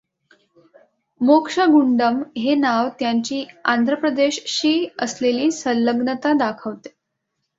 मोक्षगुंडम हे नाव त्यांची आंध्र प्रदेशशी असलेली संलग्नता दाखवते.